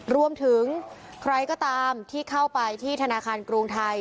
รวมถึงใครก็ตามที่เข้าไปที่ธนาคารกรุงไทย